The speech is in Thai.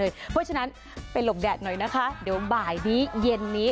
สุดท้าย